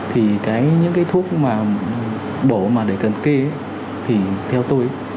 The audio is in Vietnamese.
thì những cái thuốc bổ mà cần kê thì theo tôi